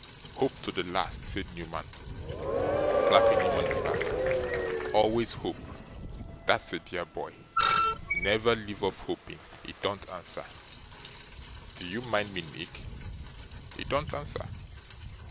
'Hope to the last!' said Newman, clapping him on the back. 'Always hope; that's a dear boy. Never leave off hoping; it don't answer. Do you mind me, Nick? It don't answer.